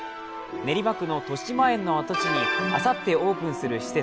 練馬区のとしまえんの跡地にあさってオープンする施設